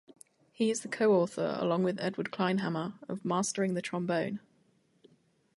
He is the co-author, along with Edward Kleinhammer, of "Mastering the Trombone".